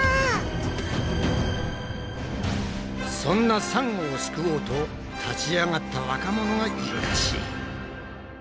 そんなサンゴを救おうと立ち上がった若者がいるらしい！